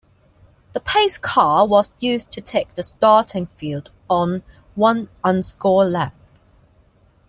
The pace car was used to take the starting field on one unscored lap.